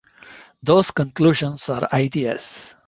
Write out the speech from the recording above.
Those conclusions are ideas.